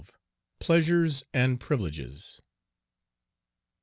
PLEASURES AND PRIVILEGES.